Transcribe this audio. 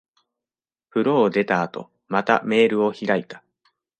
風呂を出た後、またメールを開いた。